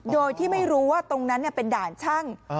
โดยที่ไม่รู้ว่าตรงนั้นเป็นด่านช่าง